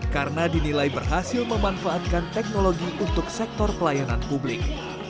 karena dinilai berhasil memanfaatkan teknologi untuk sektor pelayanan publik